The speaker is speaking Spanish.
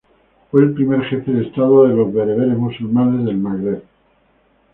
Fue el primer jefe de Estado de los bereberes musulmanes del Magreb.